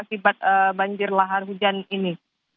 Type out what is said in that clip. akibat banjir lahar hujan ini